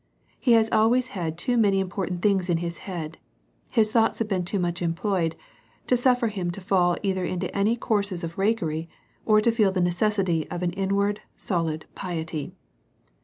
He has always had too many important things in his head, his thoughts have been too much employed to suffer him to fall either into any courses of rakery, or to feel the necessity of an inward, solid piety.